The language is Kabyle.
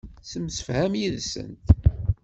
Temsefham yid-sent.